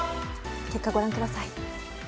結果、ご覧ください。